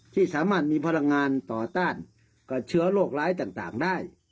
ที่สามารถมีพลังงานต่อต้านกับเชื้อโรคร้ายต่างได้